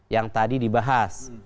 yang tadi dibahas